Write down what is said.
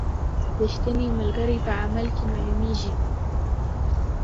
رښتینی ملګری په عمل کې معلومیږي.